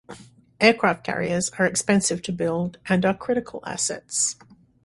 Aircraft carriers are expensive to build and are critical assets.